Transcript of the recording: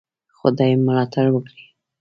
خدای ملاتړ وکړی.